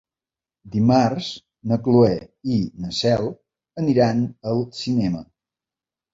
Dimarts na Cloè i na Cel aniran al cinema.